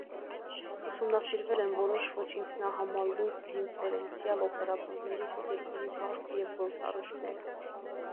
Ուսումնասիրվել են որոշ ոչ ինքնահամալուծ դիֆերենցիալ օպերատորների սպեկտրի վարքը և գրգռումները։